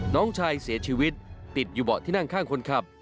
น้องชายเสียชีวิตติดอยู่เบาะที่นั่งข้างคนขับ